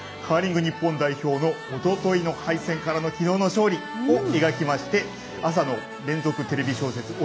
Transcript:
カーリング日本代表のおとといの敗戦からの勝利を描き朝の連続テレビ小説